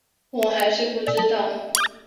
我还是不知道